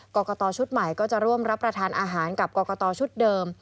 กรกตชุดใหม่ก็จะร่วมรับประทานอาหารกับกรกตชุดเดิม